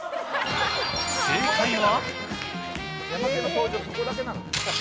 正解は。